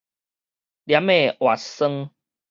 黏的活栓